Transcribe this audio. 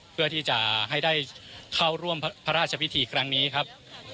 เพื่อที่จะให้ได้เข้าร่วมพระราชพิธีครั้งนี้ครับ